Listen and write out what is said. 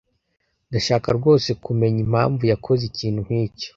Ndashaka rwose kumenya impamvu yakoze ikintu nkicyo.